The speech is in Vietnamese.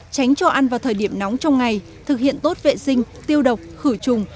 tránh cho ăn vào thời điểm nóng trong ngày thực hiện tốt vệ sinh tiêu độc khử trùng